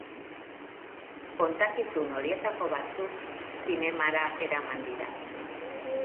Kontakizun horietako batzuk zinemara eraman dira.